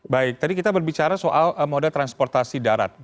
baik tadi kita berbicara soal moda transportasi darat